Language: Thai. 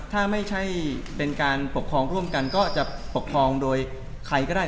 ถ้าไม่ใช่เป็นการปกครองร่วมกันก็จะปกครองโดยใครก็ได้